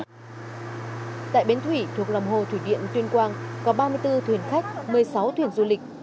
tại bến thủy thuộc lòng hồ thủy điện tuyên quang có ba mươi bốn thuyền khách một mươi sáu thuyền du lịch